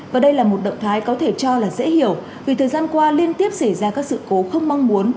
và đây là một động thái có thể cho là dễ hiểu vì thời gian qua liên tiếp xảy ra các sự cố không mong muốn